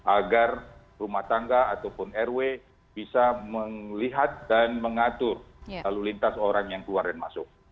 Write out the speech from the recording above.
agar rumah tangga ataupun rw bisa melihat dan mengatur lalu lintas orang yang keluar dan masuk